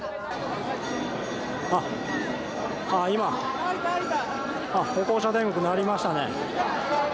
今、歩行者天国になりましたね。